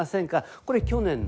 これ去年の。